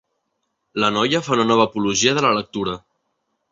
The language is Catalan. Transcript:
La noia fa una nova apologia de la lectura.